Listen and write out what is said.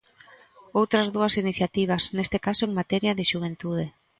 Outras dúas iniciativas, neste caso en materia de xuventude.